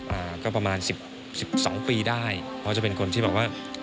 อ่าก็ประมาณสิบสิบสองปีได้เพราะจะเป็นคนที่แบบว่า